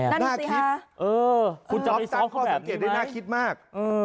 น่าคิดคุณจะไปซ้อมเขาแบบนี้ไหมนอกจากข้อสังเกตได้น่าคิดมาก